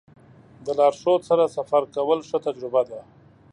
د لارښود سره سفر کول ښه تجربه ده.